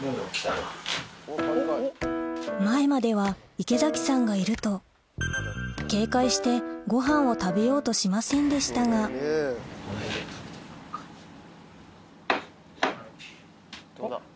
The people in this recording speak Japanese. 前までは池崎さんがいると警戒してごはんを食べようとしませんでしたがどうだ？